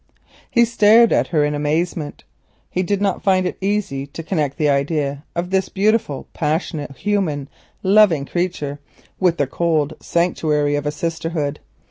He stared at her in amazement. He did not find it easy to connect the idea of this beautiful, human, loving creature with the cold sanctuary of a sisterhood.